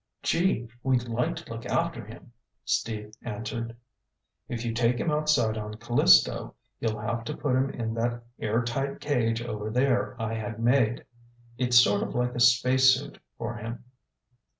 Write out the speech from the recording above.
"Gee, we'd like to look after him!" Steve answered. "If you take him outside on Callisto, you'll have to put him in that air tight cage over there I had made. It's sort of like a space suit for him."